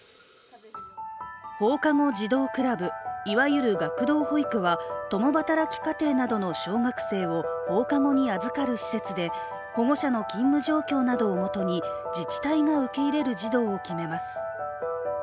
放課後児童クラブ、いわゆる学童保育は共働き家庭などの小学生を放課後に預かる施設で、保護者の勤務状況などをもとに自治体が受け入れる児童を決めます。